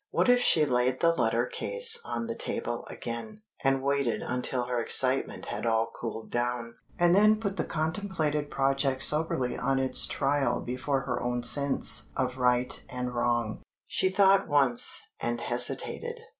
What if she laid the letter case on the table again, and waited until her excitement had all cooled down, and then put the contemplated project soberly on its trial before her own sense of right and wrong? She thought once and hesitated.